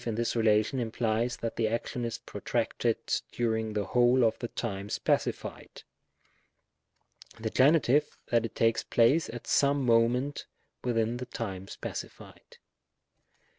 in this relation implies that the action is protracted during the whole of the time specified ; the Gen., that it takes place at some moment within the time specified.